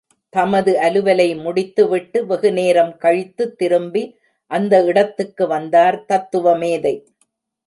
தமது அலுவலை முடித்து விட்டு, வெகுநேரம் கழித்து திரும்பி, அந்த இடத்துக்கு வந்தார் தத்துவமேதை.